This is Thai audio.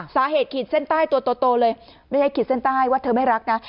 ขีดเส้นใต้ตัวโตเลยไม่ใช่ขีดเส้นใต้ว่าเธอไม่รักนะ